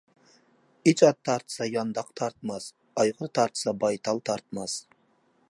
ئىچ ئات تارتسا يانداق تارتماس، ئايغىر تارتسا بايتال تارتماس.